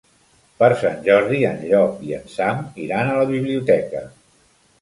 Per Sant Jordi en Llop i en Sam iran a la biblioteca.